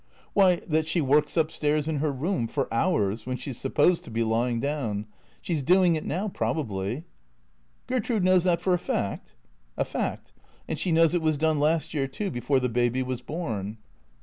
" Why — that she works up stairs, in her room — for hours — when she 's supposed to be lying down. She 's doing it now probably." " Gertrude knows that for a fact ?"" A fact. And she knows it was done last year too, before the baby was born."